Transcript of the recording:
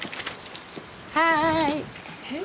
はい。